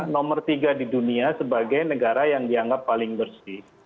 nomor tiga di dunia sebagai negara yang dianggap paling bersih